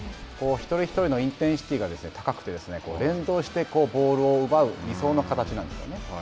一人一人のインテンシティが高くて連動してボールを奪う理想の形なんですよね。